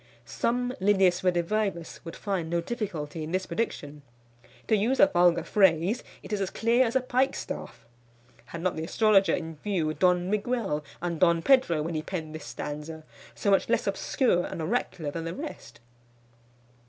Some Lillius Redivivus would find no difficulty in this prediction. To use a vulgar phrase, it is as clear as a pikestaff. Had not the astrologer in view Don Miguel and Don Pedro when he penned this stanza, so much less obscure and oracular than the rest?